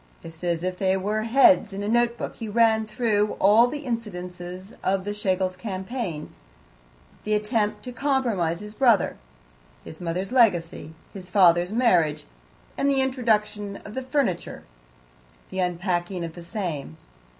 As if they were heads in a note book, he ran through all the incidents of the Schlegels' campaign: the attempt to compromise his brother, his mother's legacy, his father's marriage, the introduction of the furniture, the unpacking of the same.